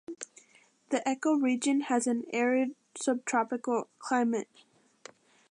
The ecoregion has an arid subtropical climate.